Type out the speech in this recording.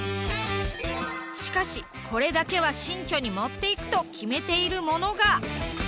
しかしこれだけは新居に持っていくと決めているものが。